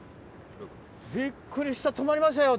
びっくりした止まりましたよ。